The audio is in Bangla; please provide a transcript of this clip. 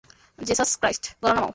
জেসাস ক্রাইস্ট, গলা নামাও।